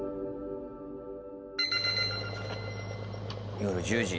夜１０時。